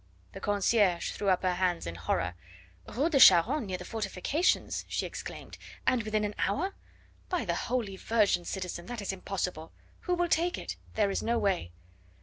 The concierge threw up her hands in horror. "Rue de Charonne, near the fortifications," she exclaimed, "and within an hour! By the Holy Virgin, citizen, that is impossible. Who will take it? There is no way."